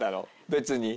別に。